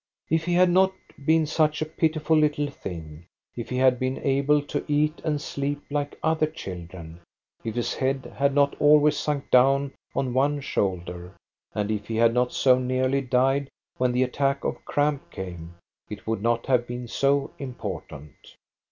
If he had not been such a pitiful little thing, if he had been able to eat and sleep like other children, if his head had not always sunk down on one shoulder, and if he had not so nearly died when the attack of cramp came, it would not have been so important.